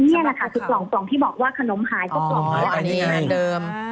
เนี่ยนะคะคือกล่องปล่องที่บอกว่าขนมหายอ๋ออันนี้เหมือนเดิม